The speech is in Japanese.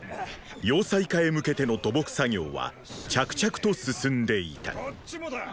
要塞化へ向けての土木作業は着々と進んでいた。